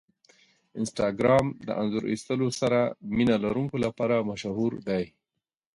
انسټاګرام د انځور ایستلو سره مینه لرونکو لپاره مشهور دی.